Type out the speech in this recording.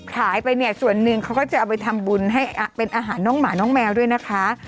ขายไปเนี่ยส่วนหนึ่งเขาก็จะเอาไปทำบุญให้เป็นอาหารน้องหมาน้องแมวด้วยนะคะ